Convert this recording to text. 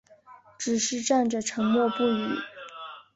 只是站着沉默不语